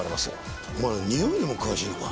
お前においにも詳しいのか。